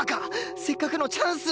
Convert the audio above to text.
せっかくのチャンスを！